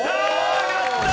上がった！